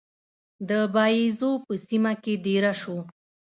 د باییزو په سیمه کې دېره شو.